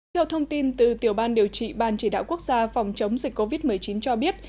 theo thông tin từ tiểu ban điều trị ban chỉ đạo quốc gia phòng chống dịch covid một mươi chín cho biết